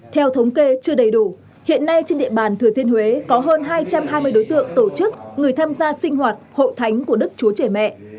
theo thống kê chưa đầy đủ hiện nay trên địa bàn thừa thiên huế có hơn hai trăm hai mươi đối tượng tổ chức người tham gia sinh hoạt hội thánh của đức chúa trẻ mẹ